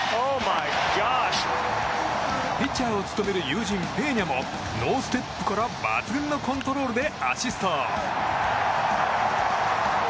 ピッチャーを務める友人ペーニャもノーステップから抜群のコントロールでアシスト。